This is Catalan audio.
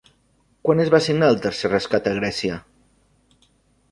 Quan es va signar el tercer rescat a Grècia?